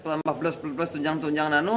tambah plus plus tunjang tunjang nano